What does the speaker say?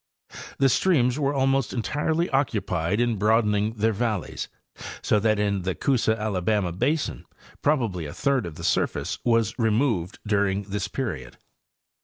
The streams were almost entirely occupied in broad ening their valleys, so that in the Coosa Alabama basin probably a third of the surface was removed during this period.